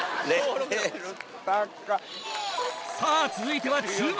さぁ続いては注目です！